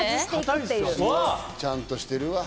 ちゃんとしてるわ。